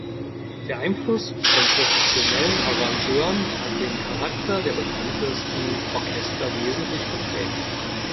Der Einfluss von professionellen Arrangeuren hat den Charakter der bekanntesten Orchester wesentlich geprägt.